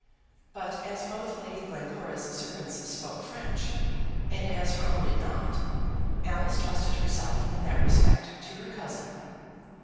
But as both Lady Glencora's servants spoke French, and as her own did not, Alice trusted herself in that respect to her cousin.